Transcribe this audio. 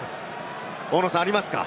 大野さん、ありますか？